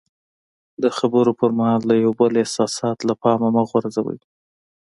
د خبرو پر مهال د یو بل احساسات له پامه مه غورځوئ.